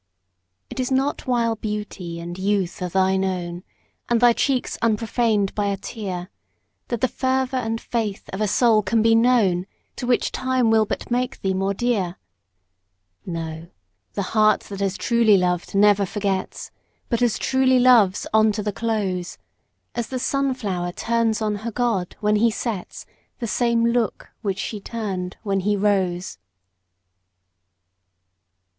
It is not while beauty and youth are thine own, And thy cheeks unprofaned by a tear, That the fervor and faith of a soul can be known, To which time will but make thee more dear; No, the heart that has truly loved never forgets, But as truly loves on to the close, As the sun flower turns on her god, when he sets, The same look which she turned when he rose.